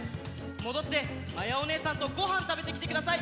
もどってまやおねえさんとごはんたべてきてください。